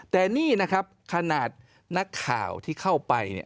แต่นี่นะครับขนาดนักข่าวที่เข้าไปเนี่ย